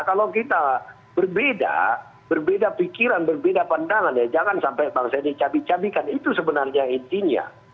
kalau kita berbeda berbeda pikiran berbeda pandangan ya jangan sampai bangsa ini cabi cabikan itu sebenarnya intinya